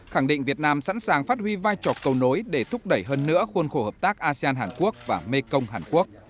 khẳng định việt nam sẵn sàng phát huy vai trò cầu nối để thúc đẩy hơn nữa khuôn khổ hợp tác asean hàn quốc và mekong hàn quốc